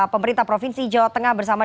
pemerintah provinsi jawa tengah bersama